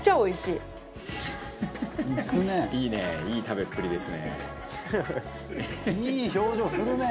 いい食べっぷりですね」